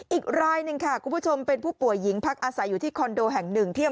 อีกรายหนึ่งค่ะคุณผู้ชมเป็นผู้ป่วยหญิงพักอาศัยอยู่ที่คอนโดแห่งหนึ่งที่